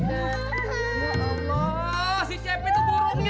ya allah si cepi itu burungnya